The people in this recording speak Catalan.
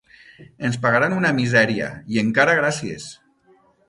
Ens pagaran una misèria i encara gràcies!